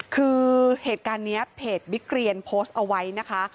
คือเหตุการณ์นี้เพจบิ๊กเรียนโพสต์เอาไว้นะคะ